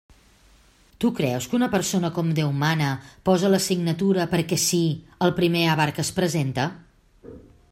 Tu creus que una persona com Déu mana posa la signatura, perquè sí, al primer avar que es presenta?